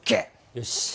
よし。